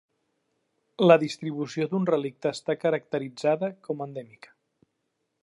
La distribució d'un relicte està caracteritzada com a endèmica.